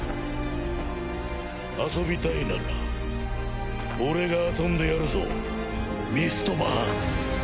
遊びたいなら俺が遊んでやるぞミストバーン！